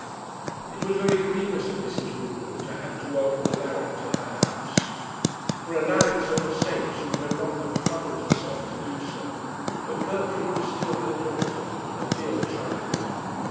It was very grievous to Mrs. Woodward to have to welcome Alaric to her house. For Alaric's own sake she would no longer have troubled herself to do so; but Gertrude was still her daughter, her dear child.